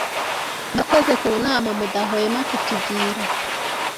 murakoze kunama mudahwema kutugira